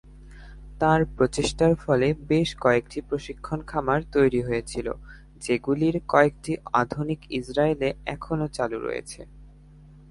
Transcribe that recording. তার প্রচেষ্টার ফলে বেশ কয়েকটি প্রশিক্ষণ খামার তৈরি হয়েছিল, যেগুলির কয়েকটি আধুনিক ইসরায়েলে এখনও চালু রয়েছে।